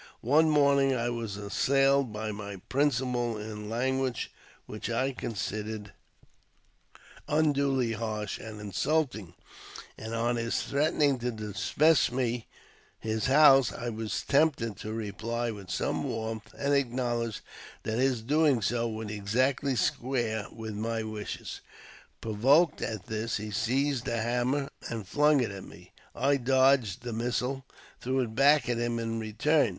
One morning I was assailed by my principal in language which I considered 3 34 AUTOBIOGBAPHY OF unduly harsh and insulting, and on his threatening to dismiss me his house, I was tempted to reply with some warmth, and acknowledge that his doing so would exactly square with my wishes. Provoked at this, he seized a hammer and flung at me. I dodged the missile, and threw it back at him in return.